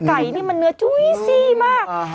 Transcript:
นี่มันเนื้อจุ้ยซี่มาก